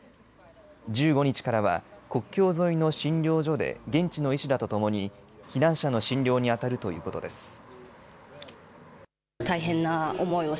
１５日からは国境沿いの診療所で現地の医師らとともに避難者の診療にあたるということです。